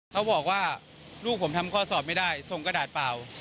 เขาบอกว่าลูกผมทำข้อสอบไม่ได้ทรงกระดาษเปล่า